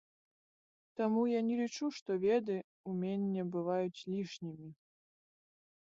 Таму я не лічу, што веды, уменне бываюць лішнімі.